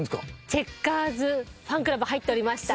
チェッカーズファンクラブ入っておりました。